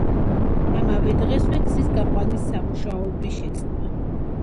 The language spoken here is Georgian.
ამავე დღესვე გზის გაყვანის სამუშაოები შეწყდა.